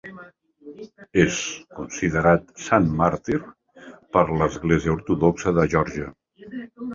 És considerat sant màrtir per l'Església Ortodoxa de Geòrgia.